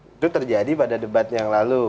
itu terjadi pada debat yang lalu